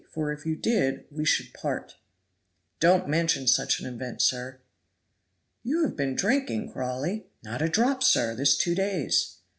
For if you did, we should part." "Don't mention such an event, sir." "You have been drinking, Crawley!" "Not a drop, sir, this two days."